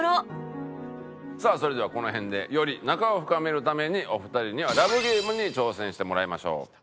さあそれではこの辺でより仲を深めるためにお二人にはＬＯＶＥＧＡＭＥに挑戦してもらいましょう。